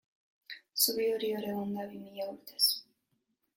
Zubi hori hor egon da bi mila urtez.